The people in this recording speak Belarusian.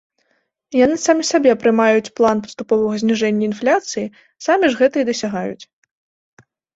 Яны самі сабе прымаюць план паступовага зніжэння інфляцыі, самі ж гэтага і дасягаюць.